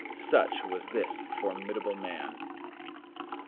Such was this formidable man.